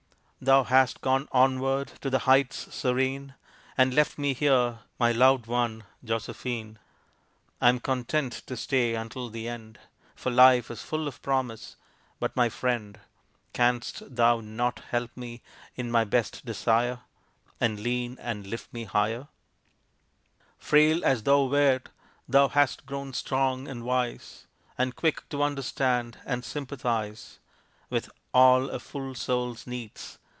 Thou hast gone onward to the heights serene, And left me here, my loved one, Josephine; I am content to stay until the end, For life is full of promise; but, my friend, Canst thou not help me in my best desire And lean, and lift me higher? Frail as thou wert, thou hast grown strong and wise, And quick to understand and sympathize With all a full soul's needs.